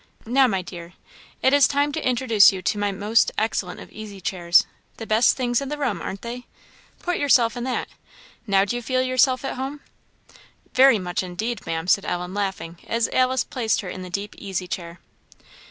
Now, my dear, it is time to introduce you to my most excellent of easy chairs the best things in the room, aren't they? Put yourself in that; now do you feel at home?" "Very much indeed, Maam," said Ellen, laughing, as Alice placed her in the deep easy chair.